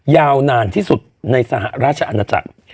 ยาวนานที่สุดในสหราชอาณาจักร